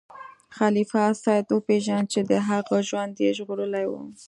خلیفه سید وپیژنده چې د هغه ژوند یې ژغورلی و.